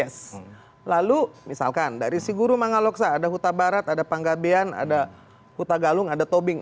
s lalu misalkan dari si guru mangaloksa ada huta barat ada panggabean ada huta galung ada tobing